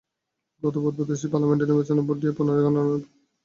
গত বুধবার দেশটির পার্লামেন্টে নির্বাচনের ভোট পুনরায় গণনার প্রস্তাব পাস হয়।